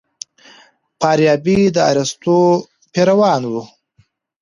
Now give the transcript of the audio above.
فارابي د ارسطو پیروان و.